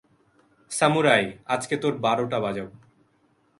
Samurai, আজ তোর বারোটা বাজাবো।